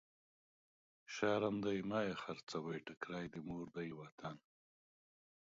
شرم دی مه يې خرڅوی، ټکری د مور دی وطن.